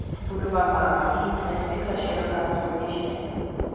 Budova má navíc nezvykle široká schodiště.